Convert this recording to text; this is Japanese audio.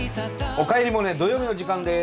「おかえりモネ」土曜日の時間です！